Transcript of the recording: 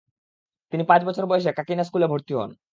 তিনি পাঁচ বছর বয়সে কাকিনা স্কুলে ভর্তি হন।